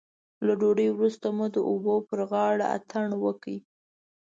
له ډوډۍ وروسته مو د اوبو پر غاړه اتڼ وکړ.